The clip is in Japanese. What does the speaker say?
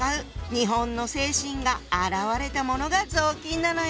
日本の精神が表れたものが雑巾なのよ。